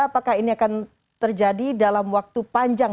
apakah ini akan terjadi dalam waktu panjang